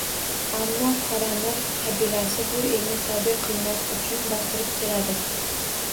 Ammo Qoramir qabilasi bu elni tobe qilmoq uchun bostirib keladi.